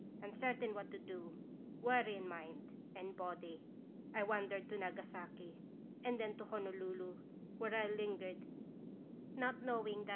"Uncertain what to do, weary in mind and body, I wandered to Nagasaki, and then to Honolulu, where I lingered, not knowing that 196 Ql racious bisitation.